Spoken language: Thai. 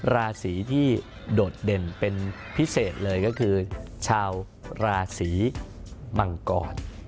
ราศีที่โดดเด่นเป็นพิเศษเลยก็คือชาวราศีมังกร